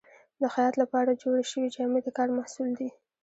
د خیاط لپاره جوړې شوې جامې د کار محصول دي.